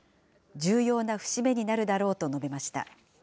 重要な節目になるだろうと述べました。